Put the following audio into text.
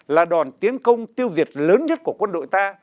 là đòn tiến công tiêu diệt lớn nhất của quân đội ta